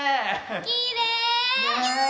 きれい！